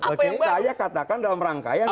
saya katakan dalam rangkaian